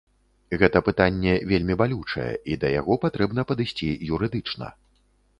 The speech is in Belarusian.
Гэта пытанне вельмі балючае, і да яго патрэбна падысці юрыдычна.